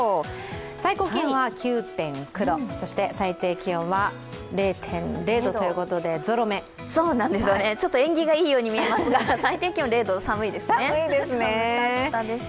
最高気温は９．９度、そして最低気温は０．０度ということでちょっと縁起がいいように見えますが、最低気温０度寒いですね。